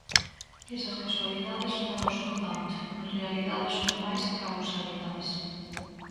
Esas casualidades non o son tanto, en realidade son máis causalidades.